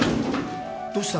どうした？